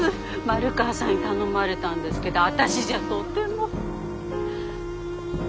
丸川さんに頼まれたんですけど私じゃとても。